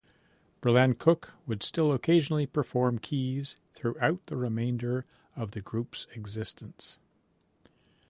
BrIan Cook would still occasionally perform keys throughout the remainder of the group's existence.